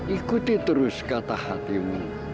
ikuti terus kata hatimu